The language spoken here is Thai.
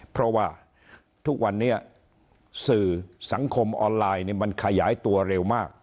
เพราะว่าทุกวันนี้สื่อสังคมออนไลน์มันขยายตัวเร็วมาก